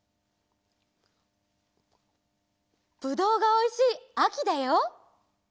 ぶどうがおいしいあきだよ！